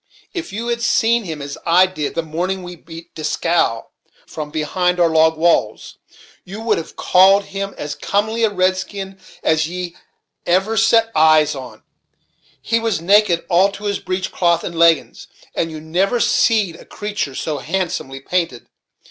If you had seen him, as I did, the morning we beat Dieskau, from behind our log walls, you would have called him as comely a redskin as ye ever set eyes on. He was naked all to his breech cloth and leggins; and you never seed a creatur' so handsomely painted.